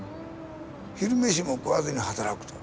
昼飯も食わずに働くと。